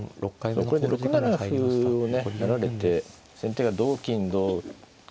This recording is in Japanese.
そうこれで６七歩をね成られて先手が同金同金